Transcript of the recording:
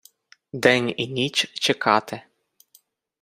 День і ніч чекати.